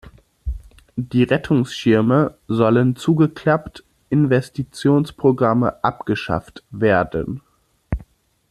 Die Rettungsschirme sollen zugeklappt, Investitionsprogramme abgeschafft werden.